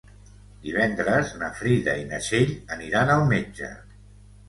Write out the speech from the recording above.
Divendres na Frida i na Txell aniran al metge.